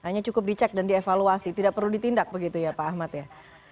hanya cukup dicek dan dievaluasi tidak perlu ditindak begitu ya pak ahmad ya